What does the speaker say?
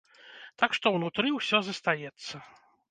Так што ўнутры ўсё застаецца.